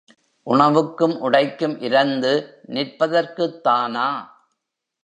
உணவுக்கும் உடைக்கும் இரந்து நிற்பதற்குத்தானா?